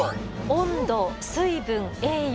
「温度・水分・栄養」